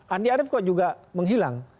andi arief kok juga menghilang